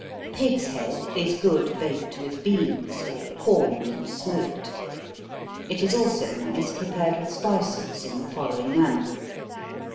_ Pig's head is good baked with beans, or corned and smoked. It is also nice prepared with spices in the following manner.